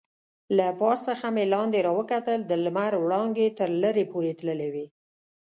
له پاس څخه مې لاندې راوکتل، د لمر وړانګې تر لرې پورې تللې وې.